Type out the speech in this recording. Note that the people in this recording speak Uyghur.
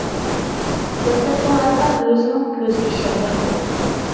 دەسلەپتە، ئۇ ھەتتا ئۆزىنىڭ كۆزىگە ئىشەنمەي قالدى.